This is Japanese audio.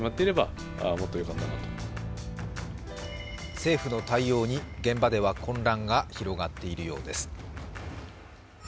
政府の対応に現場では混乱が広がっているようです。